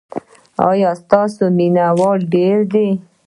ایا ستاسو مینه وال ډیر دي؟